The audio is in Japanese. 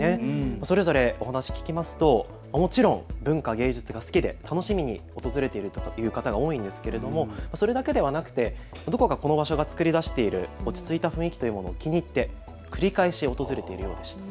それぞれお話聞くと、もちろん文化・芸術が好きで楽しみに訪れているという方が多いんですけれどもそれだけではなく、どこかこの場所が作り出している落ち着いた雰囲気というものを気に入って繰り返し訪れているようでした。